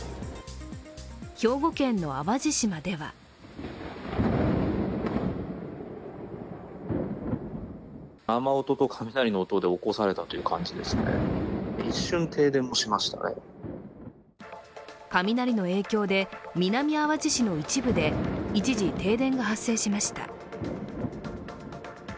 兵庫県の淡路島では雷の影響で、南あわじ市の一部で一時、停電が発生しました。